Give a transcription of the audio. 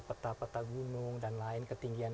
peta peta gunung dan lain ketinggian